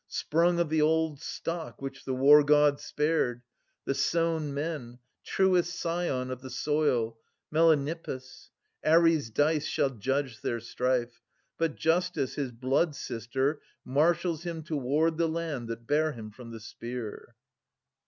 Sprung of the old stock, which the War god spared. The Sown Men, truest scion of the soil, Melanippus. Ares* dice shall judge their strife : But Justice, his blood sister, marshals him To ward the land that bare him from the spear.